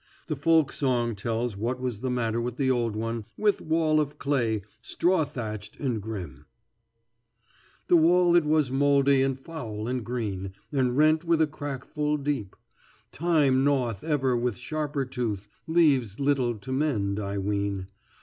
The folk song tells what was the matter with the old one "with wall of clay, straw thatched and grim": The wall it was mouldy and foul and green, And rent with a crack full deep; Time gnaweth ever with sharper tooth, Leaves little to mend, I ween.